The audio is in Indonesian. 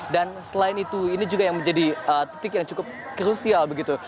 dan selain itu ini juga yang menjadi titik yang cukup krusial begitu